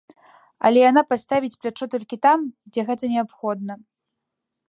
Але яна падставіць плячо толькі там, дзе гэта неабходна.